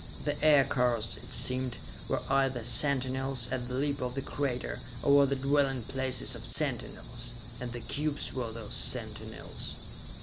The aircars, it seemed, were either sentinels, at the lip of the crater, or were the dwelling places of sentinels and the cubes were those sentinels!